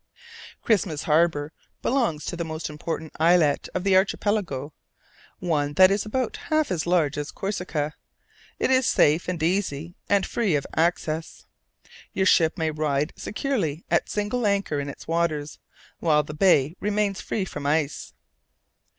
Christmas Harbour belongs to the most important islet of the archipelago, one that is about half as large as Corsica. It is safe, and easy, and free of access. Your ship may ride securely at single anchor in its waters, while the bay remains free from ice.